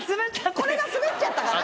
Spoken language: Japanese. これが滑っちゃったかな。